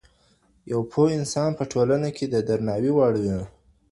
یو پوه انسان په ټولنه کي د درناوي وړ وي.